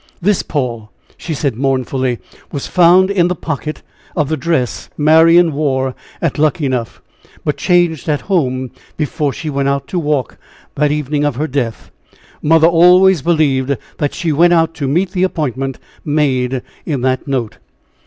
"This, Paul," she said, mournfully, "was found in the pocket of the dress Marian wore at Luckenough, but changed at home before she went out to walk the evening of her death. Mother always believed that she went out to meet the appointment made in that note."